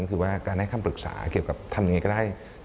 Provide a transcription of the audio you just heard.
คือการให้คำปรึกษาเกี่ยวกับทำอย่างไรก็ได้